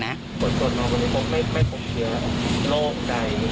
คนมาวันนี้ก็ไม่คงเคลียร์โล่งใจ